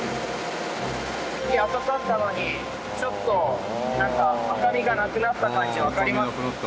赤かったのにちょっと赤みがなくなった感じわかります？